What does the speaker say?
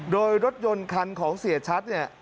โดยรถยนต์คันของเสียชัดเนี่ย